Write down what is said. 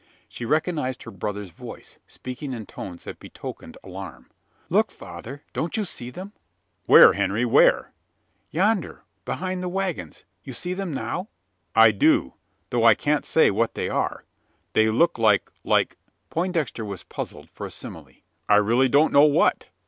She recognised her brother's voice, speaking in tones that betokened alarm. "Look, father! don't you see them?" "Where, Henry where?" "Yonder behind the waggons. You see them now?" "I do though I can't say what they are. They look like like " Poindexter was puzzled for a simile "I really don't know what."